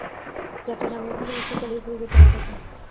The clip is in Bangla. যাত্রী নামিয়ে খালি রিকশা চালিয়ে ফিরে যেতে হয় তাঁকে।